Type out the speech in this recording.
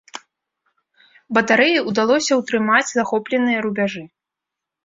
Батарэі ўдалося ўтрымаць захопленыя рубяжы.